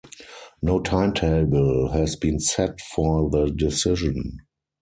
No timetable has been set for the decision.